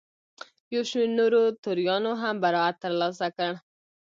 یو شمېر نورو توریانو هم برائت ترلاسه کړ.